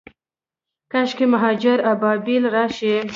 کاشکي مهاجر ابابیل راشي